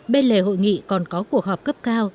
bên lề hội nghị còn có cuộc họp cấp cao